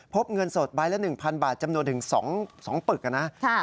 เงินสดใบละ๑๐๐บาทจำนวนถึง๒ปึกนะ